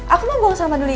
aku mau buang sampah dulu ya